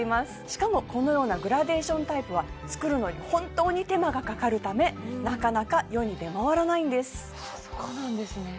しかもこのようなグラデーションタイプは作るのに本当に手間がかかるためなかなか世に出回らないんですああそうなんですね